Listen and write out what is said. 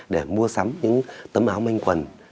để mua sắm những tấm áo manh quần